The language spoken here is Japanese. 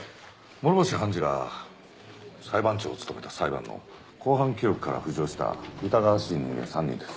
諸星判事が裁判長を務めた裁判の公判記録から浮上した疑わしい人間３人です。